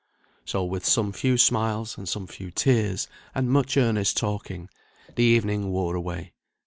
So with some few smiles, and some few tears, and much earnest talking, the evening wore away.